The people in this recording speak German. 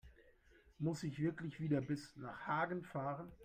Muss ich wirklich wieder bis nach Hagen fahren?